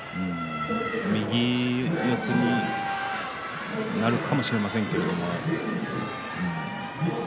右四つになるかもしれませんけど。